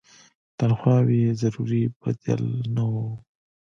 تنخواوې یې ضروري بدل نه وو.